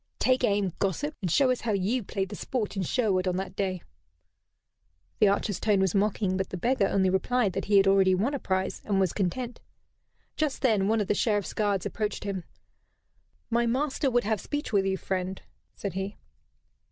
Take aim, gossip, and show us how you played the sport in Sherwood on that day." The archer's tone was mocking; but the beggar only replied that he had already won a prize and was content. Just then one of the Sheriff's guards approached him. "My master would have speech with you, friend," said he.